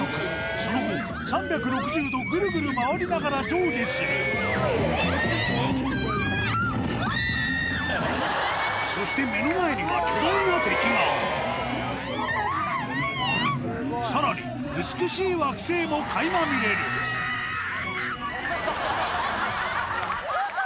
その後３６０度グルグル回りながら上下するそして目の前には巨大な敵がさらに美しい惑星も垣間見れるハハハハ！